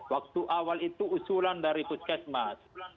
waktu awal itu usulan dari puskesmas